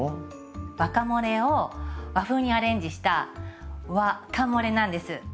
ワカモレを和風にアレンジした和カモレなんです。